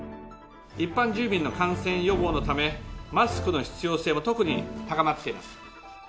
一般住民の感染予防のため、マスクの必要性も特に高まっています。